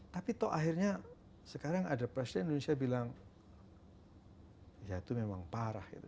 tapi toh akhirnya sekarang ada presiden indonesia bilang ya itu memang parah gitu